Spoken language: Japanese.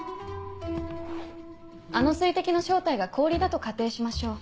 あの水滴の正体が氷だと仮定しましょう。